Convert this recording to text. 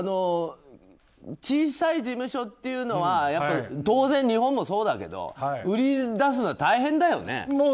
小さい事務所っていうのは当然、日本もそうですけど売り出すのは大変だよね。